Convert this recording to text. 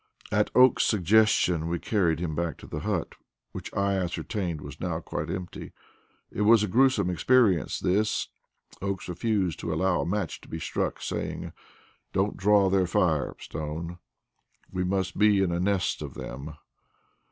At Oakes's suggestion we carried him back to the hut, which I ascertained was now quite empty. It was a grewsome experience, this. Oakes refused to allow a match to be struck, saying: "Don't draw their fire, Stone; we may be in a nest of them."